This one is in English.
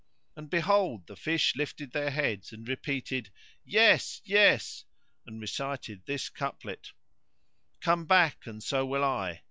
And behold, the fish lifted their heads, and repeated "Yes! Yes!" and recited this couplet: Come back and so will I!